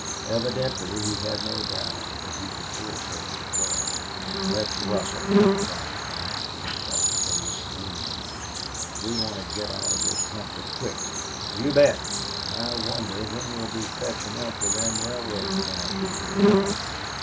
Evidently he had no doubt that he could force her to tell. "Let's rustle," cried Frank, his dark face gleaming. "We want to git out of this country quick." "You bet! An' I wonder when we'll be fetchin' up with them railroad camps we heerd about...